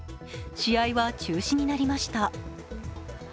試合は中止になりました。